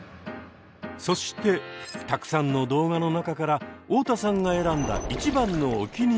そしてたくさんの動画の中から太田さんが選んだ一番のお気に入りは？